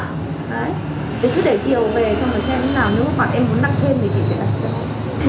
thì cứ để chiều về xong rồi xem thế nào nếu có bạn em muốn đặt thêm thì chị sẽ đặt cho